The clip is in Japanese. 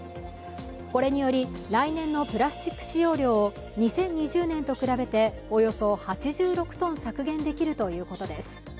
これにより、来年のプラスチック使用量を２０２０年と比べておよそ８６ｔ削減できるということです。